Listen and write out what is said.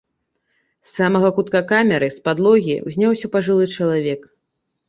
З самага кутка камеры, з падлогі, узняўся пажылы чалавек.